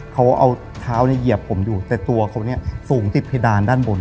เขาเอาเท้าเนี่ยเหยียบผมอยู่แต่ตัวเขาเนี่ยสูงติดเพดานด้านบน